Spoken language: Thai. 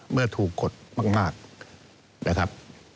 เมื่อถูกกดมากนะครับ